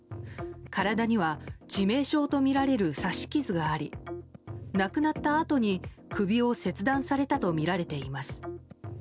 体には致命傷とみられる刺し傷があり亡くなったあとに首を切断されたとみられています。